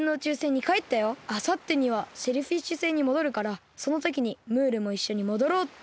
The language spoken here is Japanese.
あさってにはシェルフィッシュ星にもどるからそのときにムールもいっしょにもどろうって。